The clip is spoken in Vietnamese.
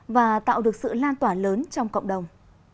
và tạo được sự lan tỏa lớn trong cộng đồng